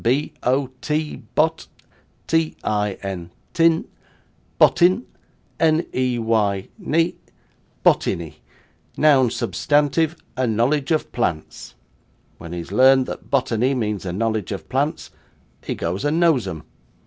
B o t, bot, t i n, tin, bottin, n e y, ney, bottinney, noun substantive, a knowledge of plants. When he has learned that bottinney means a knowledge of plants, he goes and knows 'em.